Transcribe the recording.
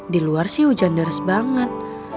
di luar sih hujan deras banget